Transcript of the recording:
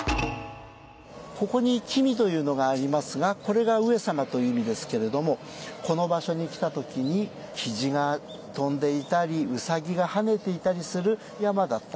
ここに「后」というのがありますがこれが上様という意味ですけれどもこの場所に来た時に雉が飛んでいたり兎が跳ねていたりする山だった。